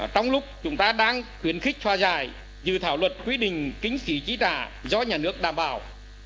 trong lúc chúng ta đang khuyến khích hòa giải dự thảo luật quy định kinh phí chi trả do nhà nước đảm bảo